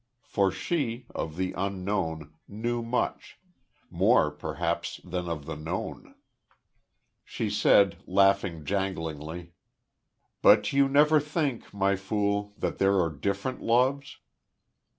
For she, of the Unknown, knew much more, perhaps, than of the known. She said, laughing janglingly: "But did you ever think, My Fool, that there are different loves?"